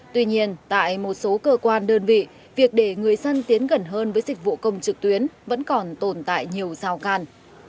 tuy nhiên tại một số cơ quan đơn vị việc để người dân tiến gần hơn với dịch vụ công trực tuyến vẫn còn tồn tại nhiều rào càn